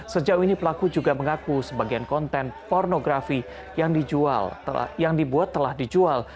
sejauh ini pelaku juga mengaku sebagian konten pornografi yang dibuat telah dijual